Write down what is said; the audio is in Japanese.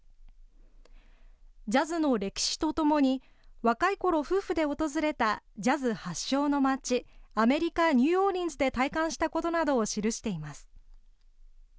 ジャズの歴史とともに若いころ夫婦で訪れたジャズ発祥の街・アメリカニューオーリンズで体感したことなどを記しています。